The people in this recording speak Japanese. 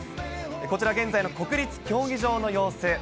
こちら現在の国立競技場の様子。